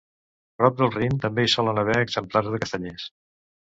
Prop del Rin també hi solen haver exemplars de castanyers.